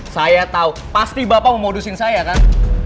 saya tau pasti bapak mau modusin saya kan